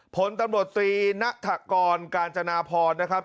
ผลตำรวจตรีณฐกรกาญจนาพรนะครับ